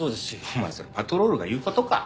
お前それパトロールが言うことか。